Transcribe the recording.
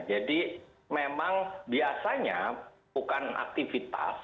jadi memang biasanya bukan aktivitas